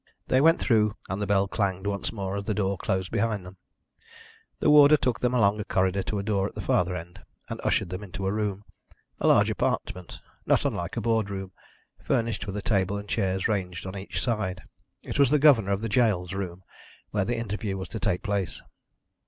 They went through and the bell clanged once more as the door closed behind them. The warder took them along a corridor to a door at the farther end, and ushered them into a room a large apartment, not unlike a board room, furnished with a table and chairs ranged on each side. It was the governor of the gaol's room, where the interview was to take place.